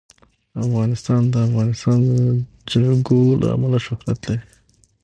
افغانستان د د افغانستان جلکو له امله شهرت لري.